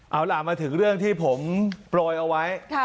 เอาล่ะมาถึงเรื่องที่ผมโปรยเอาไว้